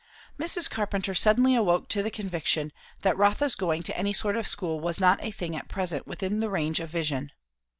Mrs. Carpenter suddenly awoke to the conviction, that Rotha's going to any sort of school was not a thing at present within the range of vision.